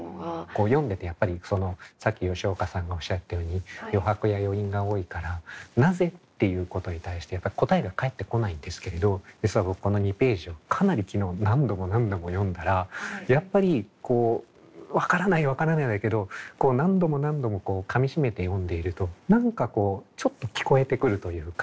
こう読んでてやっぱりさっき吉岡さんがおっしゃったように余白や余韻が多いからなぜっていうことに対して答えが返ってこないんですけれど実は僕この２ページをかなり昨日何度も何度も読んだらやっぱりこう「分からない分からない」だけど何度も何度もかみしめて読んでいると何かこうちょっと聞こえてくるというか「あれ？